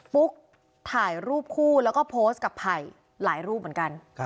ปุ๊กถ่ายรูปคู่แล้วก็โพสต์กับไผ่หลายรูปเหมือนกัน